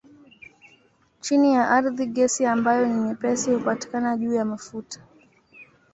Chini ya ardhi gesi ambayo ni nyepesi hupatikana juu ya mafuta.